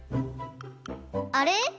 あれ？